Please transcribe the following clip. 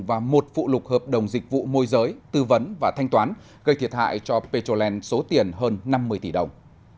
và một phụ lục hợp đồng dịch vụ môi giới tư vấn và thanh toán gây thiệt hại cho petrolen số tiền hơn năm mươi tỷ đồng